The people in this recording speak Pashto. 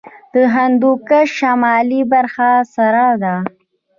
د هندوکش شمالي برخه سړه ده